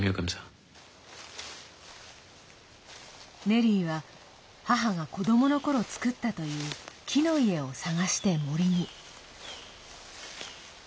ネリーは母が子どものころ作ったという木の家を探して森に。